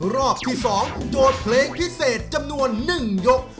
รอบที่๒โจทย์เพลงพิเศษจำนวน๑ยก